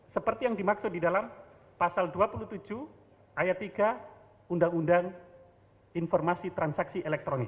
seperti yang dimaksud di dalam pasal dua puluh tujuh ayat tiga undang undang informasi transaksi elektronik